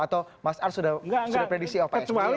atau mas ar sudah predisi pak sby